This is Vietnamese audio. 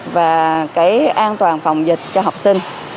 và cái an toàn phòng dịch cho học sinh